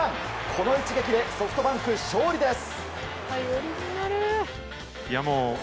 この一撃でソフトバンク、勝利です！